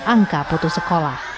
angka putus sekolah